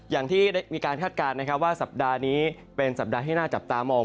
อย่างที่ได้มีการคาดการณ์นะครับว่าสัปดาห์นี้เป็นสัปดาห์ที่น่าจับตามอง